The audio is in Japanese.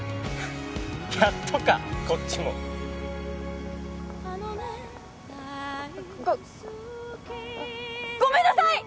やっとかこっちもごごめんなさい！